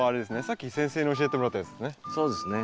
さっき先生に教えてもらったやつですね。